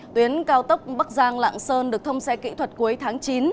tuyến cao tốc bắc giang lạng sơn được thông xe kỹ thuật cuối tháng chín